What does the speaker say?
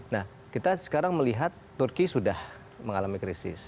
nah kita sekarang melihat turki sudah mengalami krisis